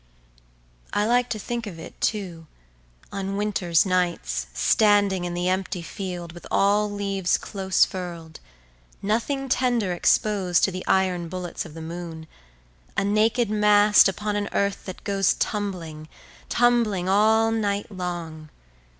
I like to think of it, too, on winter's nights standing in the empty field with all leaves close furled, nothing tender exposed to the iron bullets of the moon, a naked mast upon an earth that goes tumbling, tumbling, all night long.